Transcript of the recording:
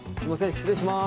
失礼します